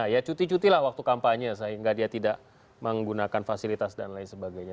ya cuti cutilah waktu kampanye sehingga dia tidak menggunakan fasilitas dan lain sebagainya